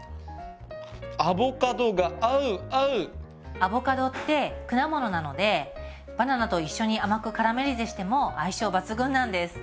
アボカドって果物なのでバナナと一緒に甘くカラメリゼしても相性抜群なんです！